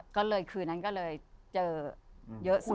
ก็เลยคืนนั้นเจอเยอะสุด